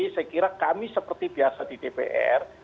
saya kira kami seperti biasa di dpr